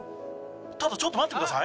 ただちょっと待ってください。